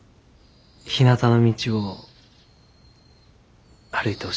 ひなたの道を歩いてほしい。